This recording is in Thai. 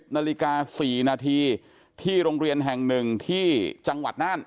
นาฬิกา๔นาทีที่โรงเรียนแห่ง๑ที่จังหวัดน่าน